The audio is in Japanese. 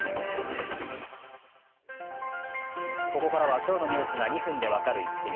ここからは今日のニュースが２分で分かるイッキ見。